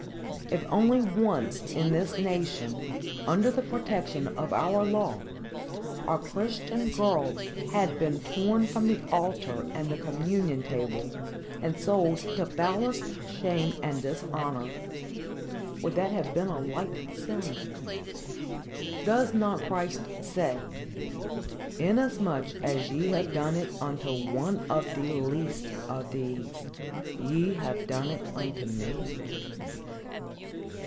If only once in this nation, under the protection of our law, a Christian girl had been torn from the altar and the communion table, and sold to foulest shame and dishonor, would that have been a light sin? Does not Christ say, "Inasmuch as ye have done it unto one of the least of these, ye have done it unto me"?